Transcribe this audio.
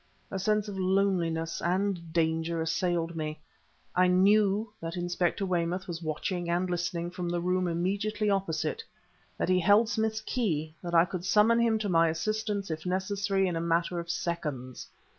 A sense of loneliness and danger assailed me. I knew that Inspector Weymouth was watching and listening from the room immediately opposite; that he held Smith's key; that I could summon him to my assistance, if necessary, in a matter of seconds.